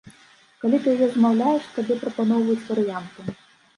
Калі ты яе замаўляеш, табе прапаноўваюць варыянты.